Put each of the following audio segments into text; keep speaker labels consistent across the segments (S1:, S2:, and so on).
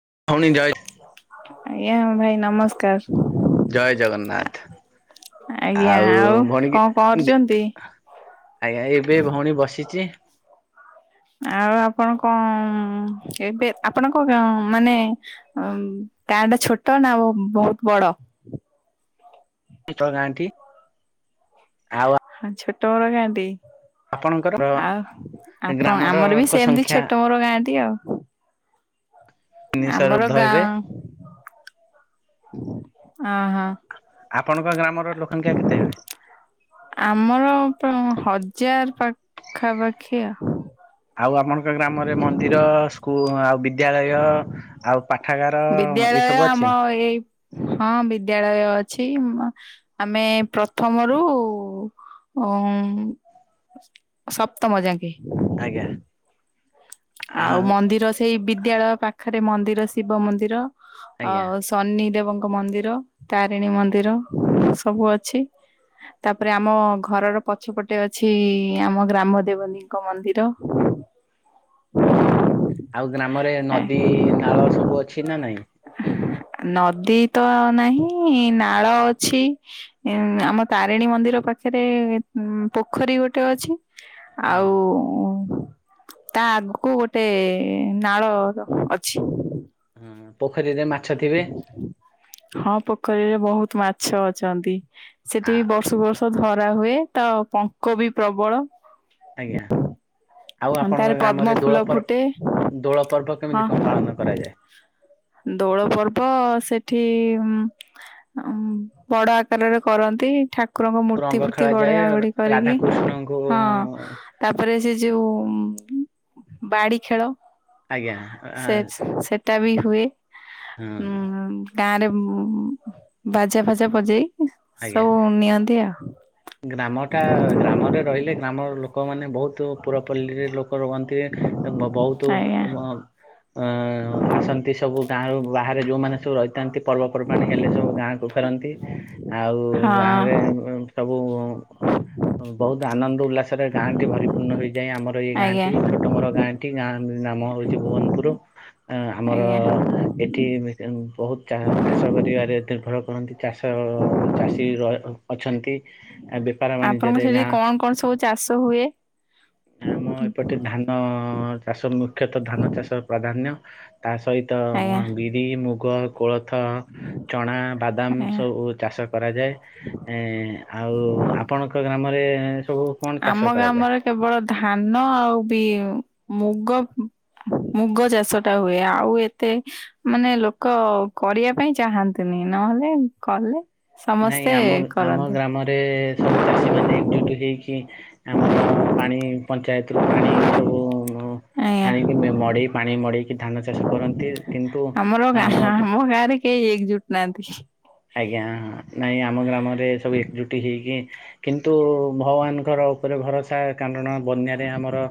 S1: [unintelligible]
S2: ଆଜ୍ଞା ଭାଇ ନମସ୍କାର।
S1: ଜୟ ଜଗନ୍ନାଥ
S2: ଆଜ୍ଞା
S1: ଆଉ ଭଉଣୀ କି
S2: କଣ
S1: ଦି
S2: କରୁଛନ୍ତି?
S1: ଆଜ୍ଞା ଏବେ ଭଉଣୀ ବସିଚି।
S2: ଆଉ ଆପଣ କଣ ଏବେ ଆପଣଙ୍କ ଗା ମାନେ ଉଂ ଗାଁ ଟା ଛୋଟ ନା ଆଉ ବହୁତ ବଡ।
S1: ପିତଳ ଗାଣ୍ଟି।
S2: [unintelligible] ଟୋରା ନ୍ତି
S1: ଆପଣଙ୍କର
S2: ଆଉ ଆପଣ
S1: ଗ୍ରାମର
S2: ଆମର ବି
S1: ଲୋକ
S2: ସେମିତି
S1: ସଂଖ୍ୟା
S2: ଛୋଟ ମୋର ଗାଁଟି ଆଉ।
S1: ତିନିଶହ
S2: ଆମର
S1: ରୁଦ୍ଧ ହେବେ
S2: ଗାଁ ଆହ
S1: ଆପଣଙ୍କ ଗ୍ରାମର ଲୋକ ସଂଖ୍ୟା କେତେ ହେବେ
S2: ଆମର ତ ହଜାର ପାଖାପାଖି [unintelligible]
S1: ଆଉ ଆପଣଙ୍କ ଗ୍ରାମରେ ମନ୍ଦିର କୁ ଆଉ ବି ବିଦ୍ୟାଳୟ ଆଉ ପାଠାଗାର ଏ
S2: ବିଦ୍ୟାଳୟ
S1: ସବୁ
S2: ଆମ
S1: ଅଛି।
S2: ଏଇ ହଁ ବିଦ୍ୟାଳୟ ଅଛି। ଆମେ ପ୍ରଥମରୁ ଉ ମ୍‌ସପ୍ତମ ଯାକେ
S1: ଆଜ୍ଞା।
S2: ଆଉ
S1: ଆଁ
S2: ମନ୍ଦିର ସେଇ ବିଦ୍ୟାଳୟ ପାଖରେ ଏ ମନ୍ଦିର ଶିବ ମନ୍ଦିର
S1: ଆଜ୍ଞା
S2: ଆଉ ଶନି ଦେବଙ୍କ ମନ୍ଦିର ତାରିଣୀ ମନ୍ଦିର ସବୁ ଅଛି। ତାପରେ ଆମ ଘରର ପଛପଟେ ଅଛି ଆମ ଗ୍ରାମ ଦେବତୀ ଙ୍କ ମନ୍ଦିର।
S1: ହୁଁ ଆଉ ଗ୍ରାମରେ ନଦୀ ନାଳ ସବୁ ଅଛି ନା ନାଇଁ।
S2: ନଦୀ। ତ ନାହିଁ ନା ତାଳ ଅଛି ଆମ ତାରିଣୀ ମନ୍ଦିର ପାଖରେ ପୋଖରୀ ଗୋଟେ ଅଛି
S1: ହଁ
S2: ଆଉ ତା ଆଗକୁ ଗୋଟେ ନାଳ ଅଛି
S1: ପୋଖରୀରେ ମା
S2: ହଁ ପୋଖରୀରେ ବହୁତ ମାଛ ଅଛନ୍ତି
S1: ଆ
S2: ସେଠି ବର୍ଷ ବର୍ଷ ଧରା ହୁଏ ତା ପଙ୍କ ବି ପ୍ରବଳ
S1: ଆଜ୍ଞା ଆଉ
S2: ହ
S1: ଆପଣଙ୍କ
S2: ତାର
S1: ଗ୍ରାମରେ
S2: ପଦ୍ମ
S1: ଦୋଳ
S2: ଫୁଲ
S1: ପର୍ବ
S2: ଫୁଟେ
S1: ଦୋଳ ପର୍ବ କେମିତି
S2: ହଁ
S1: କଣ ପାଳନ କରାଯାଏ?
S2: ଦୋଳ ପର୍ବ ସେଠି ବଡ ଆକାରରେ କରନ୍ତି କୁକୁରଙ୍କ ମୂର୍ତ୍ତି
S1: ରଙ୍ଗ
S2: ଫୂର୍ତ୍ତି
S1: ଖେଳାଯାଏ
S2: ଗଡଆଘୋଡି କରିକି
S1: ରାଧାକୃଷ୍ଣଙ୍କୁ
S2: ହଁ ତାପରେ ସେ ଯୋଉ ବାଡି ଖେଳ
S1: ଆଜ୍ଞା
S2: ତା ବି ହୁଏ
S1: ହଁ
S2: ହୁଁ ଗାଁ ରେ ବାାଜା ଫାଜା ବଜେଇ
S1: ଆଜ୍ଞା
S2: ସବୁ ନିଅନ୍ତି ଆଉ
S1: ଗ୍ରାମଟା ଗ୍ରାମରେ ରହିଲେ ଗ୍ରାମ ଲୋକମାନେ ବହୁତ ପୁରପଲ୍ଲୀରେ ରୁହନ୍ତି ବ ବହୁତ
S2: ଆଜ୍ଞା
S1: ହଁ ଆସନ୍ତି ସବୁ ଗାଁରୁ ବାହାରେ ଯୋଉମାନେ ସବୁ ରହିଥାନ୍ତି ପର୍ବପର୍ବାଣି ହେଲେ ସବୁ ଗାଁକୁୁ ଫେରନ୍ତି ଆଉ ଗାଁରେ
S2: ହଁ
S1: ସବୁ ବହୁତ ଆନନ୍ଦ ଉଲ୍ଲାସରେ ଗାଁ ଟି ଭରିପୂର୍ଣ୍ଣ ହେଇଯାଏ ଆମର ଏଇ ଗାଁ
S2: ଆଜ୍ଞା।
S1: ଟି ଛୋଟ ମୋର ଗାଁ ଟି ନାମ ହଉଛି ଭୁବନପୁର ଆମର
S2: ଆଜ୍ଞା
S1: ଏଠି ବହୁତ ଚାଷ କରିବାରେ ଏତେ ପ୍ର କରନ୍ତି ଚାଷ ଚାଷୀ ର ଅଛନ୍ତି ଆ ବେପାର
S2: ଆପଣଙ୍କ
S1: ବାଣିଜ୍ୟରେ
S2: ସେଠି
S1: ଗାଁ
S2: କଣ କଣ ସବୁ ଚାଷ ହୁଏ?
S1: ଆମ ଏପଟେ ଧାନ ଚାଷ ମୁଖ୍ୟତଃ ଧାନ ଚାଷର ପ୍ରାଧାନ୍ ତା ସହିତ
S2: ଆଜ୍ଞା
S1: ବିରି ମୁଗ କଳା [unintelligible] ଥ ଚଣା ବାଦାମ
S2: ଆଜ୍ଞା
S1: ସବୁ ଚାଷ କରାଯାଏ ଏ ଆଉ ଆପଣଙ୍କ ଗ୍ରାମରେ? ସବୁ କଣ ଚାଷ
S2: ଆମ
S1: କରାଯାଏ
S2: ଗ୍ରାମରେ କେବଳ ଧାନ ଆଉ ବି ମୁଗ ମୁଗ ଚାଷ ଟା ହୁଏ ଆଉ ଏତେ ମାନେ ଲୋକ କରିବା ପାଇଁ ଚାହାନ୍ତିନି ନହେଲେ କଲେ
S1: ନାଇଁ
S2: ସମସ୍ତେ
S1: ଆମ ଆମ
S2: କରନ୍ତି
S1: ଗ୍ରାମରେ ସବୁ ଚାଷୀ ମାନେ ଏକଜୁଟ ହେଇକି ଆମର ପାଣି ପଞ୍ଚାୟତରୁୁ ପାଣି ସବୁ
S2: ଆଜ୍ଞା
S1: ଆଣିକି ମଡିେଇ ପାଣି ମଡ଼େଇ ଧାନ ଚାଷ କରନ୍ତି କିନ୍ତୁ
S2: ଆମର ଗାଁ
S1: ଆମ
S2: ଗାଁରେ କେହି ଏକଜୁଟ ନାହାନ୍ତି।
S1: ଆଜ୍ଞା ନାଇଁ ଆମ ଗ୍ରାମରେ ସବୁ ଏକଜୁଟି ହେଇକି କିନ୍ତୁ ଭଗବାନଙ୍କର ଉପରେ ଭରସା କାରଣ ବନ୍ୟାରେ ଆମର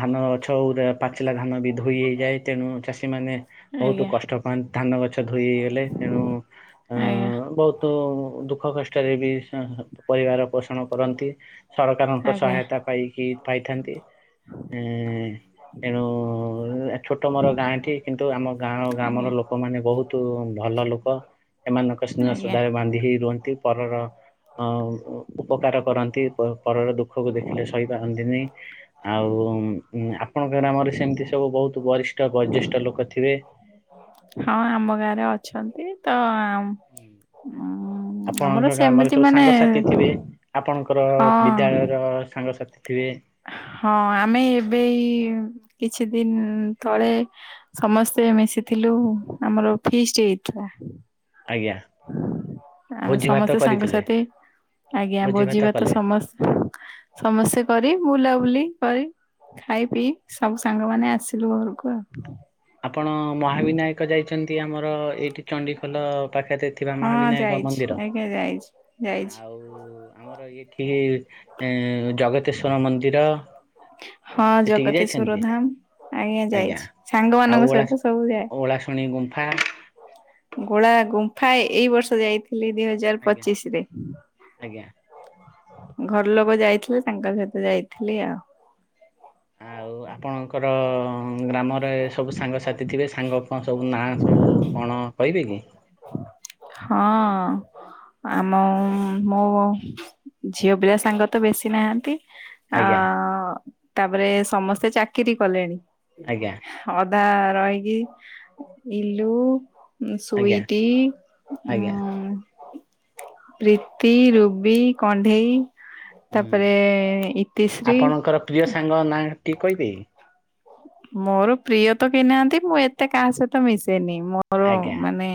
S1: ଧାନ ପାଚିଲା ଧାନ ବି ଧୋଇ ହୋଇଇଯାଏ ତେଣୁ ଚାଷୀ ଚାଷୀ ମାନେ ବହୁତ
S2: ଆଜ୍ଞା
S1: କଷ୍ଟ ପାଆନ୍ତି ଧାନ ଗଛ ଧୋଇ ହେଇଗଲେ ତେଣୁ
S2: ଆଜ୍ଞା
S1: ବହୁତୁ ଦୁଃଖ କଷ୍ଟରେ ବି ପରିବାର ପୋଷଣ କରନ୍ତି ସରକାରଙ୍କ
S2: ଆଜ୍ଞା
S1: ସହାୟତା ପାଇକି ପାଇଥାନ୍ତି ଏ ତେଣୁ ଛୋଟ ମୋର ଗାଁଟି କିନ୍ତୁ ଆମ ଗାଁ
S2: ଆଜ୍ଞା
S1: ଗ୍ରାମର ଲୋକମାନେ ବହୁତ ଭଲ ଲୋକ। ଏମାନଙ୍କ ସ୍ନେହ
S2: ଆଜ୍ଞା
S1: ଶ୍ରଦ୍ଧାରେ ବାନ୍ଧି ହେଇ ରହି ପରର ଉପକାର କରନ୍ତି ପରର ଦୁଃଖକୁ ଦେଖିଲେ ସହିପାରନ୍ତିନି ଆଉ ଆପଣଙ୍କ ଗ୍ରାମରେ ସେମିତି ସବୁ ବହୁତ ବରିଷ୍ଠ ବୟୋଜ୍ୟେଷ୍ଠ ଲୋକ ଥିବେ?
S2: ହଁ ଆମ ଗାଁରେ ଅଛନ୍ତି ତ [unintelligible] ଆମର
S1: ଆପଣଙ୍କ ଗ୍ରାମରେ
S2: ସେମିତି
S1: ସବୁ
S2: ମାନେ
S1: ସାଙ୍ଗସାଥି ଥିବେ? ଆପଣଙ୍କର
S2: ହଁ
S1: ବିଦ୍ୟାଳୟ ର ସାଙ୍ଗସାଥି [unintelligible]
S2: ହଁ ଆମେ ଏବେ ଏଇ କିଛି ଦିନ ତଳେ ସମସ୍ତେ ମିଶିଥିଲୁ ଆମର ଫିଷ୍ଟି ହେଇଥିଲା।
S1: ଆଜ୍ଞା
S2: ଆମେ
S1: ଭୋଜି ଭାତ
S2: ସମସ୍ତେ
S1: କରିଥିଲେ
S2: ସାଙ୍ଗସାଥି ଆଜ୍ଞା
S1: ଭୋଜି ଭାତ
S2: ଭୋଜିଭାତ
S1: କଲେ।
S2: ସମସ୍ତେ ସମସ୍ତେ କରି ବୁଲି କରି ଖାଇ, ପିଇ ସବୁ ସାଙ୍ଗ ମାନ ଆସିଲୁ ଘରକୁ ଆଉ।
S1: ଆପଣ ମହାବିନାୟକ ଯାଇଛନ୍ତି? ଆମର ଏଇଠି ଚଣ୍ଡିଖୋଲ ପାଖରେ ଥିବା
S2: ହଁ
S1: ମହାବିନାୟକ
S2: ଯାଇଛି
S1: ମନ୍ଦିର
S2: ଆଜ୍ଞା ଯାଇଛି ଯାଇଛି।
S1: ଆଉ ଆମର ଏଇଠି ଜଗତେଶ୍ୱର ମନ୍ଦିର ଅ
S2: ହଁ
S1: ସେଠିକି
S2: ଜଗତେଶ୍ଵର
S1: ଯାଇଛନ୍ତି
S2: ଧାମ୍ ଆଜ୍ଞା ଯାଇଛି
S1: ଆଉ
S2: ସାଙ୍ଗମାନଙ୍କ
S1: ଓଳା
S2: ସହିତ ସବୁ ଯାଏ।
S1: ଓଳାଶୁଣୀ ଗୁମ୍ଫା
S2: [unintelligible] ଗୁମ୍ଫା ଏଇ ବର୍ଷ ଯାଇ ହେଲେ ଦି ହଜାର
S1: ଆଜ୍ଞା
S2: ପଚିଶ୍ ରେ।
S1: ଆଜ୍ଞା।
S2: ଘର ଲୋକ ଯାଇଥିଲେ ତାଙ୍କ ସହିତ ଯାଇଥିଲି ଆଉ।
S1: ଆଉ ଆପଣଙ୍କର ହଁ ଗ୍ରାମରେ ସବୁ ସାଙ୍ଗସାଥି ଥିବେ ସାଙ୍ଗ କଣ ସବୁ ନାଁ ସବୁ କଣ କହିବେ [unintelligible]
S2: ହଁ ଆମ ମୋ ଝିଅପିଲା ସାଙ୍ଗ ତ ବେଶୀ ନାହାନ୍ତି ଆ।
S1: ଆଜ୍ଞା
S2: ତାପରେ ସମସ୍ତେ ଚାକିରି କଲେଣି।
S1: ଆଜ୍ଞା
S2: ହ ଦା ରହିଗି ଇଲୁ ଉଁ ସୁଇ
S1: ଆଜ୍ଞା ଆଜ୍ଞା
S2: [unintelligible] ପ୍ରୀତି, ରୁବି, କଣ୍ଢେଇ।
S1: ହୁଁ।
S2: ତାପରେ-ଏ ଇତିଶ୍ରୀ।
S1: ଟି କହିବେ।
S2: ମୋର ପ୍ରିୟ ତ କେହିନାହାନ୍ତି ମୁଁ ଏତେ କାହା ସହିତ ମିଶେନି। ମୋର
S1: ଆଜ୍ଞା
S2: ମାନେ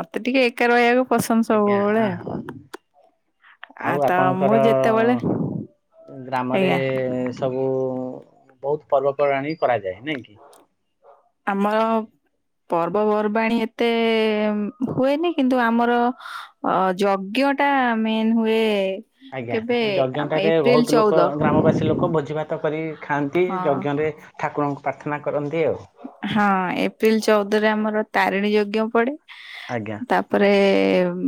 S2: ମତେ ଟିକେ ଏକା ରହିବାକୁ ପସନ୍ଦ
S1: ଆଜ୍ଞା ହଁ
S2: ସବୁବେଳେ
S1: ହଁ ଆଉ
S2: ତ ମୁଁ
S1: ଆପଣଙ୍କର
S2: ଯେତେବେଳେ
S1: ଗ୍ରାମରେ
S2: ଆଜ୍ଞା
S1: ସବୁ ବହୁତ୍ ପର୍ବପର୍ବାଣି କରାଯାଏ ନାଇଁ କି
S2: ଆମର ପର୍ବପର୍ବାଣି ଏତେ ହୁଏନି କିନ୍ତୁ ଆମର ଅ ଯଜ୍ଞଟା ମେନ୍ ହୁଏ
S1: ଆଜ୍ଞା
S2: କେବେ ଆମ
S1: ଯଜ୍ଞଟାରେ
S2: ଏପ୍ରିଲ
S1: ବହୁତ
S2: ଚଉଦ।
S1: ଲୋକ ଗ୍ରାମବାସୀ ଲୋକ ଭୋଜି ଭାତ କରି ଖାଆନ୍ତି
S2: ହଁ
S1: ଯଜ୍ଞରେ ଠାକୁରଙ୍କୁ ପ୍ରାର୍ଥନା କରନ୍
S2: ହଁ ଏପ୍ରିଲ ଚଉଦରେ ଆମର ତାରିଣୀ ଯ ଜ୍ଞ ପଡେ।
S1: ଆଜ୍ଞା
S2: ତାପରେ ଏମ୍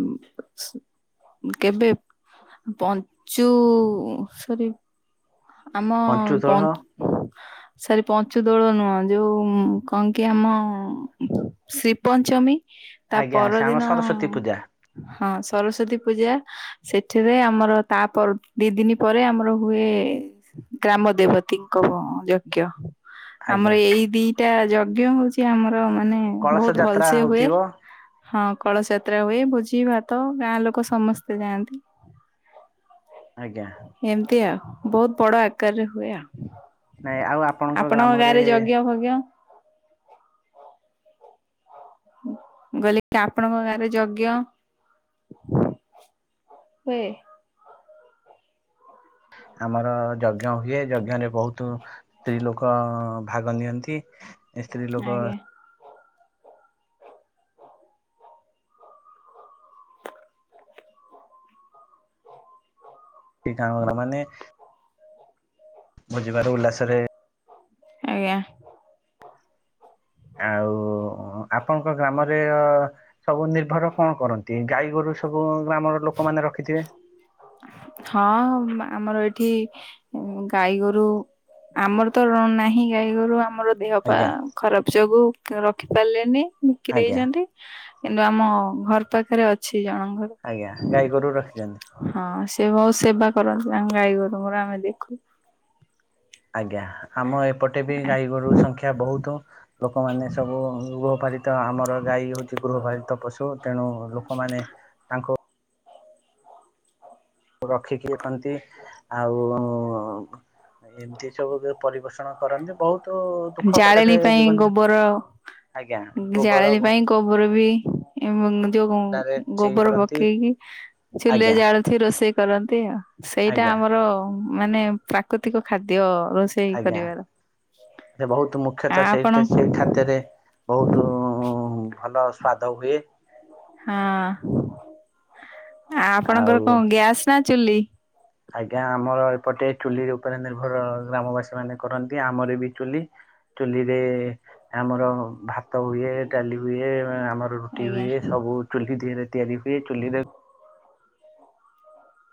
S2: କେବେ ପଞ୍ଚୁ ସରି ଆମ
S1: ପଞ୍ଚୁଦୋଳ
S2: ପନ୍ ସରୀ ପଞ୍ଚୁଦୋଳ ନୁହଁ ଯୋଉ କନ୍ କି ଆମ ଶ୍ରୀପଞ୍ଚମୀ ତା
S1: ଆଜ୍ଞା ସେ ଆମ
S2: ପରଦିନ
S1: ସରସ୍ଵତୀ ପୂଜା
S2: ହଁ ସରସ୍ଵତୀ ପୂଜା ସେଠିରେ ଆମର ତା ପର୍ ଦି ଦିନ ପରେ ଆମର ହୁଏ ଗ୍ରାମ ଦେବତୀଙ୍କ ଅଁ ଯଜ୍ଞ । ଆମ
S1: ଆଜ୍ଞା
S2: ଏଇ ଦିଟା ଜ ଜ୍ଞ ହଉଚି ଆମର ମାନେ
S1: କଳସ
S2: ବହୁତ ଭଲ
S1: ଯାତ୍ରା
S2: ସେ ହୁଏ
S1: ହଉଥିବ
S2: ହଁ କଳସଯାତ୍ରା ହୁଏ ଭୋଜି ଜି ଭାତ ଗାଁ ଲୋକ ସମସ୍ତେ ଯାଆନ୍ତି।
S1: ଆଜ୍ଞା
S2: ଏମତି ଆଉ। ବହୁତ ବଡ଼ ଆକାରରେ ହୁଏ।
S1: ନାଇଁ ଆଉ
S2: ଆପଣଙ୍କ ଗାଁ
S1: ଗ୍ରାମରେ
S2: ରେ ଯଜ୍ଞ ଫଜ୍ଞ ଗଲି ଆପଣଙ୍କ ଗାଁରେ ଯଜ୍ଞ। ହ୍ନୁଁ।
S1: ଆମର ଯଜ୍ଞ ହୁଏ ଯଜ୍ଞରେ ବହୁତୁ ସ୍ତ୍ରୀ ଲୋକ ଅଅ ଭାଗ ନିଅନ୍ତି। ସ୍ତ୍ରୀ ଲୋକ
S2: ଆଜ୍ଞା
S1: ଟି ସା ନ ମାନେ ବୁଜିବାରୁ ଉଲ୍ଲାସରେ
S2: ଆଜ୍ଞା
S1: ଆଉ ହଅ ଆପଣଙ୍କ ଗ୍ରାମରେ ଅ ସବୁ ନିର୍ଭର କଣ କରନ୍ତି ଗାଈ ଗୋରୁ ସବୁ ଗ୍ରାମର ଲୋକମାନେ ରଖିଥିବେ
S2: ହଁ ଆମର ଏ ଠି ଉଁ ଗାଈ ଗୋରୁ ଆମର ତ ନ ନାହିଁ ଗାଈ ଗୋରୁ ଆମର ଦେହ ପା
S1: ଆଜ୍ଞା।
S2: ଖରାପ ଯୋଗୁ ରଖି ପାରିଲେନି। ବିକି
S1: ଆଜ୍ଞା
S2: ଦେଇଚନ୍ତି। କିନ୍ତୁ ଆମ ଘର ପାଖରେ ଅଛି ଜଣଙ୍କର।
S1: ଆଜ୍ଞା ଗାଈ ଗୋରୁ ରଖିଛନ୍ତି।
S2: ହଁ ସେ ବହୁତ ସେବା କରନ୍ତି ତାଙ୍କ ଗାଈ ଗୋରୁଙ୍କର ଆମେ ଦେଖୁ।
S1: ଆଜ୍ଞା ଆମ ଏପଟେ ବି ଗାଈ ଗୋରୁ ସଂଖ୍ୟା ବହୁତ ଲୋକମାନେ ସବୁ ଗୃହପାଳିତ ଆମର ଗାଈ ହଉଛି ଗୃହପାଳିତ ପଶୁ ତେଣୁ ଲୋକମାନେ ତାଙ୍କୁ ରଖିକି ଖନ୍ତି ଆଉ ଉ ଉ ଏମିତି ସବୁ ପରିବଷଣ କରନ୍ତି ବହୁତ ଦୁଃଖ
S2: ଜାଳେଣୀ
S1: କଷ୍ଟରେ
S2: ପାଇଁ
S1: ଜୀବନ ଯାପନ
S2: ଗୋବର
S1: ଆଜ୍ଞା ଗୋବର
S2: ଜାଳେଣୀ ପାଇଁ ଗୋବର ବି ଏମ ଯୋଉଁ
S1: ଗୁଣ୍ଡାରେ ମିଶେଇ
S2: ଗୋବର
S1: କରନ୍ତି
S2: ପକେଇକି ଚୁଲିଆ
S1: ଆଜ୍ଞା
S2: ଜାଳଛି ରୋଷେଇ କରନ୍ତି ଆ। ସେଇଟା
S1: ଆଜ୍ଞା
S2: ଆମର ମାନେ ପ୍ରାକୃତିକ ଖାଦ୍ୟ ଅ ରୋଷେଇ
S1: ଆଜ୍ଞା
S2: କରିବାର
S1: ସେ ବହୁତ
S2: ଆ
S1: ମୁଖ୍ୟତଃ
S2: ଆପଣ
S1: ସେଇ ସେ ଖାଦ୍ୟରେ ବହୁତ ଭଲ ସ୍ଵାଦ ହୁଏ।
S2: ହଁ। ଆ ଆପଣଙ୍କର
S1: ଆଉ
S2: କଣ ଗ୍ୟାସ୍ ନା। ଚିଲି।
S1: ଆଜ୍ଞା ଆମର ଏପଟେ ଚୁଲି ଉପରେ ନିର୍ଭର ଗ୍ରାମବାସୀ ମାନେ କରନ୍ତି ଆମର ବି ଚୁଲି ଚୁଲିରେ ଆମର ଭାତ ହୁଏ ଡାଲି ହୁଏ। ର ରୁଟି
S2: ଆଜ୍ଞା
S1: ହୁଏ ସବୁ ଚୁଲି ଦିରେ ତିଆରି ହୁଏ ଚୁଲି ରେ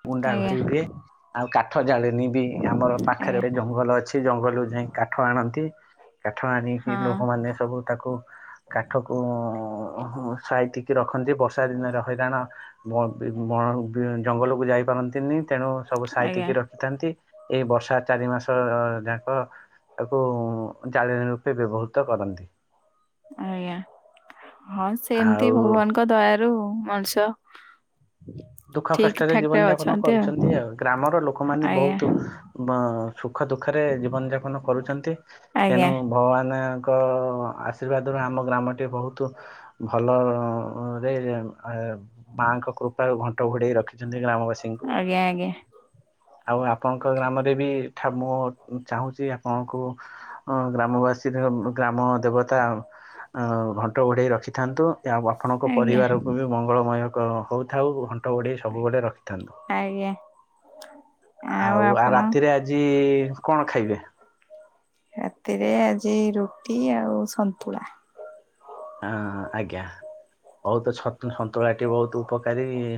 S1: ଗୁଣ୍ଡା ଭ
S2: ଆଜ୍ଞା
S1: ହୁଏ ଆଉ କା କଠ ଜାଳିନୀ ବି ଆମର
S2: ଆଜ୍ଞା
S1: ପାଖରେ ଜଙ୍ଗଲ ଅଛି ଜଙ୍ଗଲରୁ ଯାଇ କାଠ ଆଣନ୍ତି। କାଠ ଆଣିକି
S2: ହଁ
S1: ଲୋକମାନେ ରଖନ୍ତି ବର୍ଷା ଦିନରେ ହଇରାଣ ବଣ ଜଙ୍ଗଲକୁ ଯାଇ କରନ୍ତିନି। ତେଣୁ ସବୁ
S2: ଆଜ୍ଞା
S1: ସାଇତିକି ରଖିଥାନ୍ତି। ଏଇ ବର୍ଷା ଚାରି ମାସ ଯାକ ତାକୁ ଜାଳିଣୀ ରୂପେ ବ୍ୟବହୃତ କରନ୍ତି।
S2: ଆଜ୍ଞା। ହଁ ସେମତି
S1: ଆଉ
S2: ଭଗବାନଙ୍କ ଦୟାର ଆ ମଣିଷ
S1: ଦୁଃଖ
S2: ଠିକ
S1: କଷ୍ଟରେ
S2: ଠାକ ରେ
S1: ଜୀବନ ଯାପନ
S2: ଅଛନ୍ତି
S1: କରୁଛନ୍ତି ଆଉ ଗ୍ରାମର ଲୋକମାନେ
S2: ଆଜ୍ଞା
S1: ବହୁତ ଅ ସୁଖ ଦୁଃଖରେ ଜୀବନ ଯାପନ କରୁଛନ୍ତି
S2: ଆଜ୍ଞା
S1: ତେଣୁ ଭଗବାନ ଙ୍କ ଆଶୀର୍ବାଦରୁ ଆମ ଗ୍ରାମଟି ବହୁତ ଭଲରେ ଆ ମାଙ୍କ କୃପା ଘଣ୍ଟ ଘୁଡେଇ ରଖିଛନ୍ତି। ଗ୍ରାମବାସୀଙ୍କୁ।
S2: ଆଜ୍ଞା ଆଜ୍ଞା
S1: ଆଉ ଆପଣଙ୍କ ଗ୍ରାମରେ ବି ମୁଁ ଚାହୁଁଛି ଆପଣଙ୍କୁ ଗ୍ରାମବାସୀ ଗ୍ରାମ ଦେବତା ଘଣ୍ଟ ଘଡ଼େଇ ରଖିଥାନ୍ତୁ। ଏହା ପାଠଣଙ୍କ
S2: ଆଜ୍ଞା
S1: ପରିବାରକୁ ବି ମଙ୍ଗଳମୟ କ ହଉଥାଉ। ଘନ୍ଟ ଗୋଡେଇ ସବୁବେଳେ ରଖିଥାନ୍ତୁ।
S2: ଆଜ୍ଞା।
S1: ଆଉ ଆ ରାତିରେ ଆଜି କଣ ଖାଇବେ।
S2: ରାତିରେ ଆଜି ରୁଟି ଆଉ ସନ୍ତୁଳା।
S1: ହଁ ଆଜ୍ଞା ବହୁତଛ ସନ୍ତୁଳାଟି ବହୁତ ଉପକାରୀ ଏ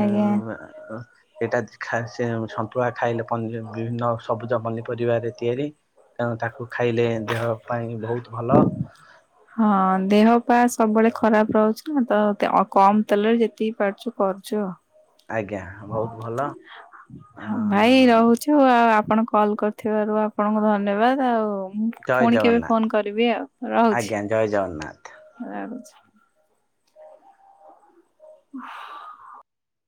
S2: ଆଜ୍ଞା।
S1: ଆ ସେଇଟା ଏମତି ଖାଆନ୍ତି ସେ ସନ୍ତୁଳା ଖାଇଲେି ପନୀ ବିଭିନ୍ନ ସବୁଜ ପନି ପରିବାରେ ତିଆରି ତେଣୁ ତାକୁ ଖାଇଲେ ଦେହ ପା ପାଇଁ ବହୁତ ଭଲ।
S2: ହଁ ଦେହ ପା ସବୁବେଳେ ଖରାପ ରହୁଛି ନା କମ୍ ତେଲରେ ଯେତିକି ପାରୁଛୁ କରୁଛୁ ଆଉ।
S1: ଆଜ୍ଞା ବହୁତ ଭଲ
S2: ହଁ ଭାଇ ରହୁଛୁ
S1: [unintelligible] ଅ
S2: ଆଉ ଆପଣ କଲ୍ କରିଥିବାରୁ ଆପଣଙ୍କୁ ଧନ୍ୟବାଦ୍। ଆ ଉ ମୁ
S1: ଜୟ
S2: ପୁଣି କେବେ
S1: ଜଗନ୍ନାଥ
S2: ଫୋନ କରିବି ଆଉ ରହୁଛି
S1: ଆଜ୍ଞା ଜୟ ଜଗନ୍ନାଥ।
S2: [inaudible] ରାହୁୁଛି। [unintelligible]